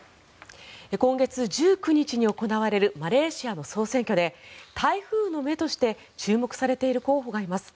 今月１９日に行われるマレーシアの総選挙で台風の目として注目されている候補がいます。